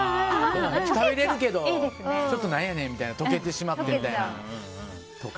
食べれるけどちょっとなんやねんみたいな溶けてしまうみたいなのとか。